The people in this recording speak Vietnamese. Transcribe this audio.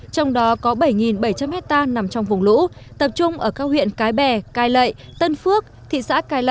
trong đó có bảy bảy trăm linh hectare nằm trong vùng lũ tập trung ở các huyện cái bè cai lậy tân phước thị xã cai lă